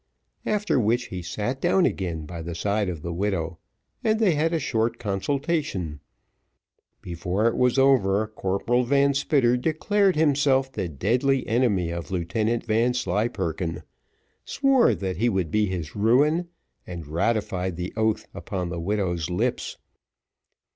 After which he sat down again by the side of the widow, and they had a short consultation; before it was over, Corporal Van Spitter declared himself the deadly enemy of Lieutenant Vanslyperken; swore that he would be his ruin, and ratified the oath upon the widow's lips.